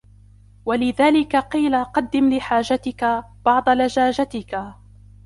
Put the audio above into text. وَلِذَلِكَ قِيلَ قَدِّمْ لِحَاجَتِك بَعْضَ لَجَاجَتِك